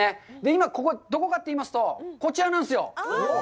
今ここ、どこかといいますと、こちらなんですよ。